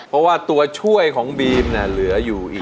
เพราะว่าตัวช่วยของบีมเนี่ยเหลืออยู่อีก